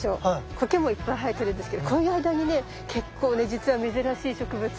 苔もいっぱい生えてるんですけどこういう間にね結構ねじつは珍しい植物。